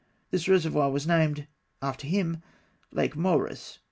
This reservoir was named, after him, Lake Moeris.